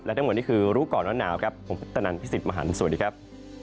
ทั้งหมดนี่คือรู้ก่อนร้อนหนาวครับผมพุทธนันพี่สิทธิ์มหันฯสวัสดีครับ